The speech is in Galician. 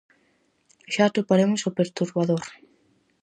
Xa atoparemos o perturbador.